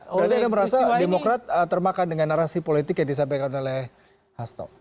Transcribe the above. berarti anda merasa demokrat termakan dengan narasi politik yang disampaikan oleh hasto